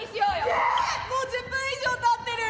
げっもう１０分以上たってる！